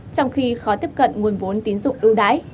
trong khi khó tiếp cận nguồn vốn tín dụng ưu đãi